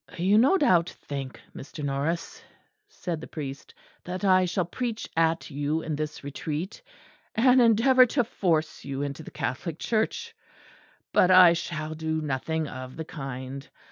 "You no doubt think, Mr. Norris," said the priest, "that I shall preach at you in this Retreat, and endeavour to force you into the Catholic Church; but I shall do nothing of the kind.